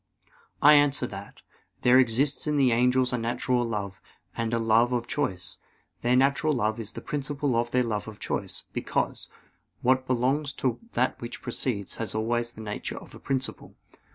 I answer that, There exists in the angels a natural love, and a love of choice. Their natural love is the principle of their love of choice; because, what belongs to that which precedes, has always the nature of a principle.